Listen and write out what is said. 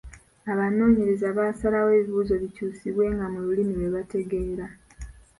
Abanoonyereza baasalawo ebibuuzo bikyusibwenga mu lulimi lwe bategeera.